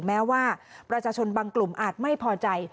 แม้ว่าประชาชนบางกลุ่มอาจไม่พอใจ